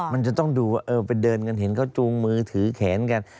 มันจะต้องดูว่าเออไปเดินกันเห็นเขาจูงมือถือแขนกัน